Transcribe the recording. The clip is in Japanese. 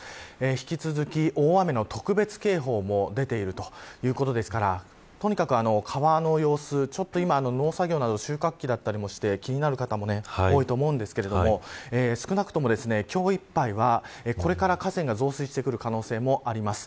引き続き、大雨の特別警報も出ているということですからとにかく、川の様子ちょっと今、農作業など収穫期だったりして気になる方も多いと思いますが少なくとも、今日いっぱいはこれから河川が増水してくる可能性もあります。